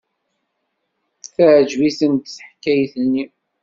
Teɛjeb-itent teḥkayt-nni.